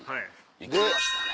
いきましたね。